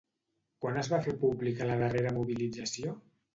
Quan es va fer pública la darrera mobilització?